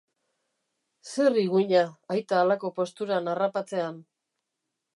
Zer higuina aita halako posturan harrapatzean!